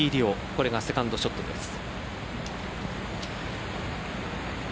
これがセカンドショットです。